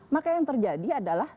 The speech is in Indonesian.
maka yang terjadi adalah